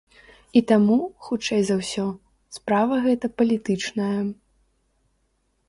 І таму, хутчэй за ўсё, справа гэта палітычная.